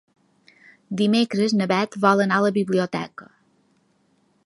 Dimecres na Beth vol anar a la biblioteca.